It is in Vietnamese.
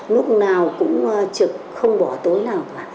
lúc nào cũng trực không bỏ tối nào cả